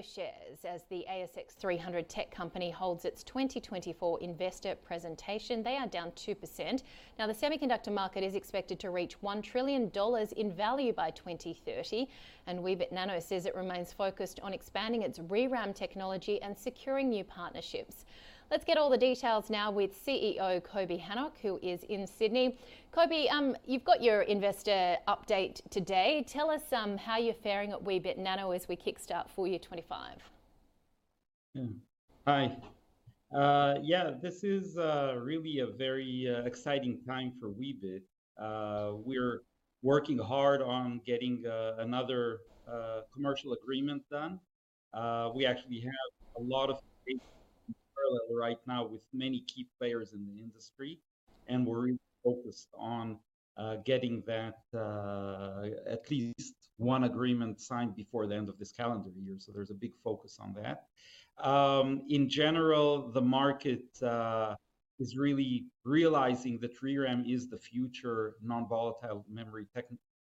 Weebit Nano shares as the ASX 300 tech company holds its 2024 investor presentation. They are down 2%. Now, the semiconductor market is expected to reach $1 trillion in value by 2030, and Weebit Nano says it remains focused on expanding its ReRAM technology and securing new partnerships. Let's get all the details now with CEO Coby Hanoch, who is in Sydney. Coby, you've got your investor update today. Tell us, how you're faring at Weebit Nano as we kickstart for year 2025. Yeah. Hi. Yeah, this is really a very exciting time for Weebit. We're working hard on getting another commercial agreement done. We actually have a lot of things in parallel right now with many key players in the industry, and we're really focused on getting that at least one agreement signed before the end of this calendar year. So there's a big focus on that. In general, the market is really realizing that ReRAM is the future non-volatile memory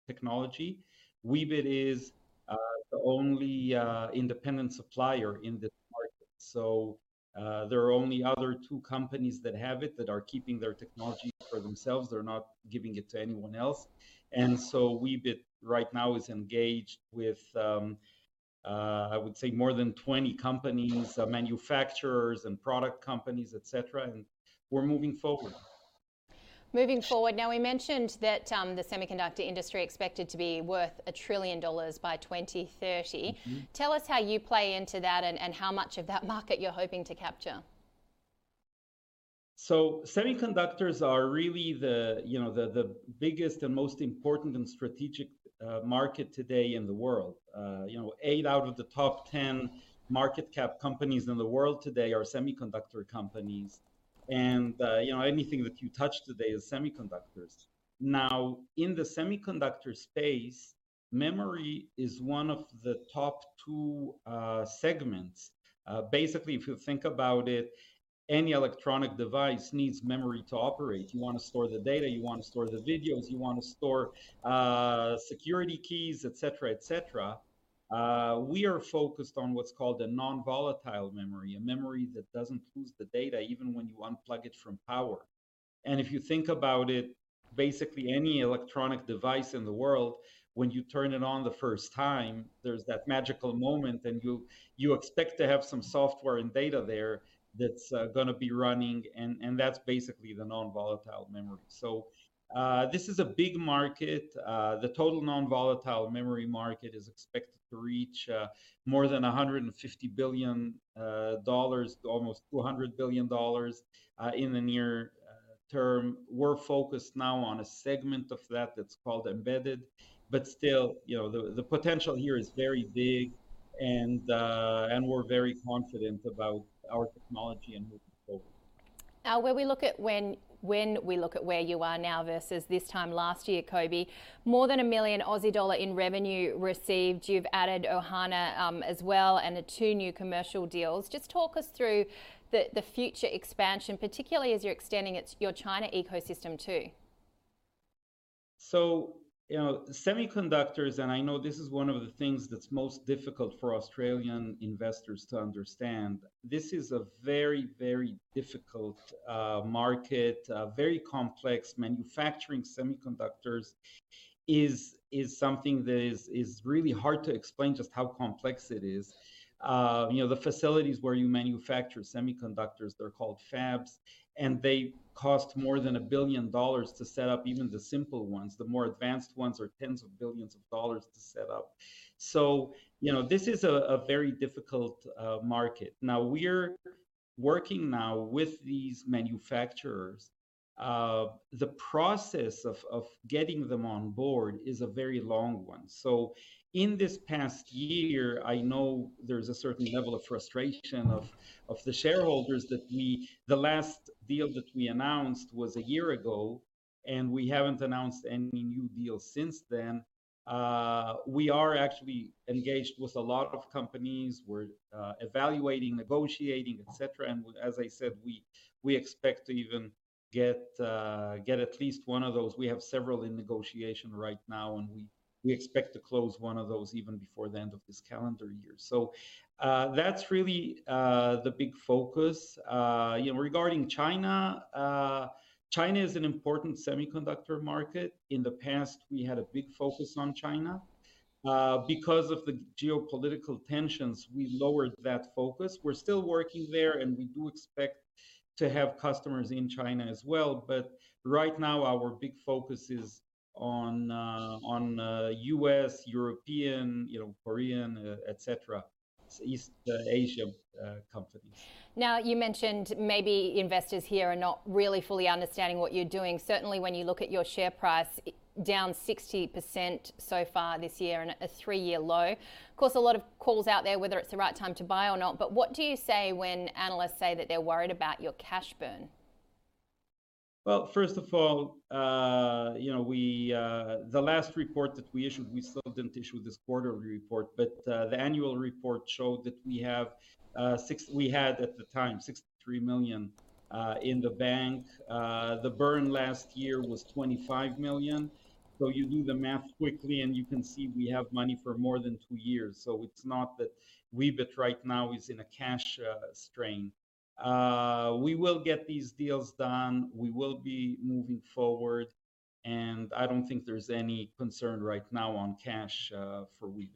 technology. Weebit is the only independent supplier in the market. So there are only other two companies that have it that are keeping their technology for themselves. They're not giving it to anyone else. And so Weebit, right now, is engaged with, I would say more than 20 companies, manufacturers and product companies, et cetera, and we're moving forward. Moving forward, now, we mentioned that the semiconductor industry expected to be worth $1 trillion by 2030. Mm-hmm. Tell us how you play into that and how much of that market you're hoping to capture? So semiconductors are really, you know, the biggest and most important and strategic market today in the world. You know, eight out of the top 10 market cap companies in the world today are semiconductor companies. And, you know, anything that you touch today is semiconductors. Now, in the semiconductor space, memory is one of the top two segments. Basically, if you think about it, any electronic device needs memory to operate. You want to store the data, you want to store the videos, you want to store security keys, et cetera, et cetera. We are focused on what's called a non-volatile memory, a memory that doesn't lose the data even when you unplug it from power. And if you think about it, basically any electronic device in the world, when you turn it on the first time, there's that magical moment, and you expect to have some software and data there that's gonna be running, and that's basically the non-volatile memory. So, this is a big market. The total non-volatile memory market is expected to reach more than $150 billion, almost $200 billion, in the near term. We're focused now on a segment of that that's called embedded, but still, you know, the potential here is very big, and we're very confident about our technology and moving forward. When we look at where you are now versus this time last year, Coby, more than 1 million Aussie dollar in revenue received. You've added Ohana, as well, and the two new commercial deals. Just talk us through the future expansion, particularly as you're extending it to your China ecosystem, too. So, you know, semiconductors, and I know this is one of the things that's most difficult for Australian investors to understand. This is a very, very difficult market, a very complex one. Manufacturing semiconductors is something that is really hard to explain just how complex it is. You know, the facilities where you manufacture semiconductors, they're called fabs, and they cost more than $1 billion to set up even the simple ones. The more advanced ones are tens of billions of dollars to set up. So, you know, this is a very difficult market. Now, we're working now with these manufacturers. The process of getting them on board is a very long one. So in this past year, I know there's a certain level of frustration of the shareholders that the last deal that we announced was a year ago, and we haven't announced any new deals since then. We are actually engaged with a lot of companies. We're evaluating, negotiating, et cetera. And as I said, we expect to even get at least one of those. We have several in negotiation right now, and we expect to close one of those even before the end of this calendar year. So that's really the big focus. You know, regarding China, China is an important semiconductor market. In the past, we had a big focus on China. Because of the geopolitical tensions, we lowered that focus. We're still working there, and we do expect to have customers in China as well, but right now, our big focus is on US, European, you know, Korean, et cetera, East Asia, companies. Now, you mentioned maybe investors here are not really fully understanding what you're doing. Certainly, when you look at your share price, down 60% so far this year and at a three-year low. Of course, a lot of calls out there, whether it's the right time to buy or not, but what do you say when analysts say that they're worried about your cash burn? First of all, you know, the last report that we issued, we still didn't issue this quarter report, but the annual report showed that we had at the time $63 million in the bank. The burn last year was $25 million, so you do the math quickly, and you can see we have money for more than two years. So it's not that Weebit right now is in a cash strain. We will get these deals done. We will be moving forward, and I don't think there's any concern right now on cash for Weebit.